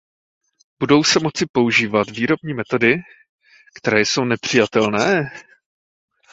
Budou se moci používat výrobní metody, které jsou nepřijatelné?